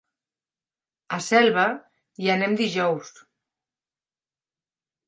A Selva hi anem dijous.